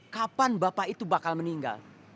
kapan bapak itu bakal meninggal